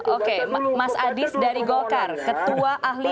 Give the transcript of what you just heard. oke mas adis dari golkar ketua ahli